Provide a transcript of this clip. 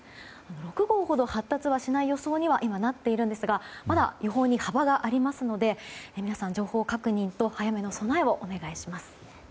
６号ほど発達はしない予想には今、なっているんですがまだ予報に幅がありますので皆さん、情報確認と早めの備えをお願いします。